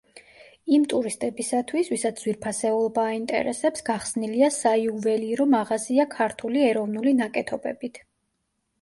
იმ ტურისტებისათვის, ვისაც ძვირფასეულობა აინტერესებს, გახსნილია საიუველირო მაღაზია ქართული ეროვნული ნაკეთობებით.